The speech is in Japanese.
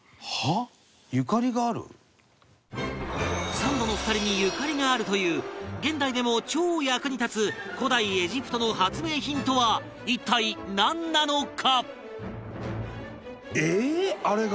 サンドの２人にゆかりがあるという現代でも超役に立つ古代エジプトの発明品とは一体、なんなのか？